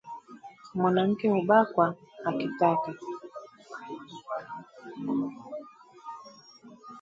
Mwanamke hubakwa akitaka